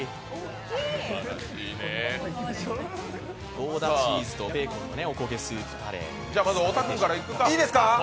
ゴーダチーズとベーコンのおこげスープカレーです。